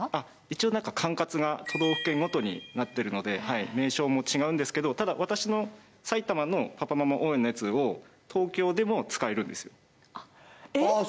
一応管轄が都道府県ごとになってるので名称も違うんですけどただ私の埼玉のパパ・ママ応援のやつを東京でも使えるんですえっえっああ